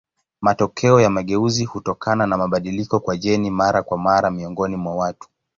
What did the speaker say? Matokeo ya mageuzi hutokana na mabadiliko kwa jeni mara kwa mara miongoni mwa watu.